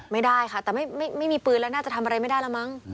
ไม่ได้ค่ะแต่ไม่มีปืนแล้วน่าจะทำอะไรไม่ได้แล้วมั้ง